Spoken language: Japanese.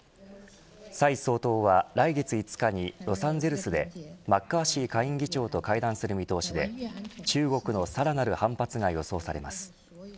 蔡総統は来月５日にロサンゼルスでマッカーシー下院議長と会談する見通しで中国のさらなる反発が予想されます。